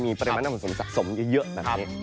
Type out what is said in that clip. คืนได้มีประมาณสมสมเยอะแบบนี้